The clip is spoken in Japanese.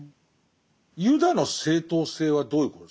ユダの正当性はどういうことですか？